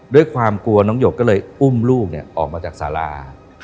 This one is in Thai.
ด้วยความกลัวน้องหยกก็เลยอุ้มลูกออกมาจากสารา